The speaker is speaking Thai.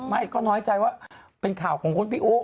ไม่ก็น้อยใจว่าเป็นข่าวของคุณพี่อู๋